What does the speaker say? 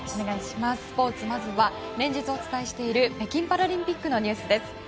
スポーツまずは連日お伝えしている北京パラリンピックのニュースです。